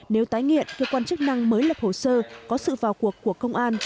nếu tái nghiện cơ quan chức năng mới lập hồ sơ có sự vào cuộc của công an